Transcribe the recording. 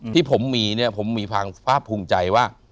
ที่ผมมีเนี่ยผมมีความภาคภูมิใจว่า